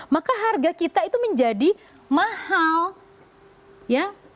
maka harga kita itu menjadi mahal ya